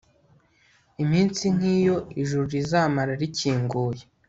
iminsi nk iyo ijuru rizamara rikinguye